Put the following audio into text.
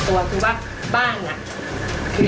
สวัสดีครับทุกคน